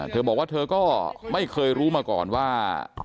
เธอบอกว่าเธอก็ไม่เคยรู้มาก่อนว่า